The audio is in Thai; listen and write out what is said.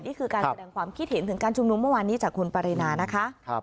นี่คือการแสดงความคิดเห็นถึงการชุมนุมเมื่อวานนี้จากคุณปรินานะคะ